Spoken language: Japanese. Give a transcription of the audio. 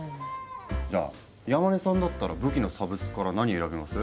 じゃあ山根さんだったら武器のサブスクから何選びます？